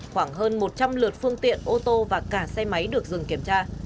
khoảng hơn một trăm linh lượt phương tiện ô tô và cả xe máy được dừng kiểm tra